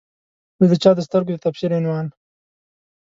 زه د چا د سترګو د تفسیر عنوان